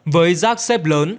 với rác xếp lớn